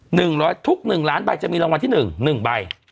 หนึ่งร้อยทุกหนึ่งล้านใบจะมีรางวัลที่หนึ่งหนึ่งใบ